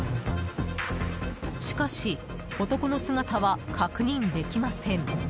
しかし、男の姿は確認できません。